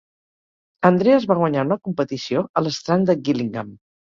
Andreas va guanyar una competició a l'Strand de Gillingham.